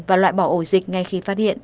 và loại bỏ ncov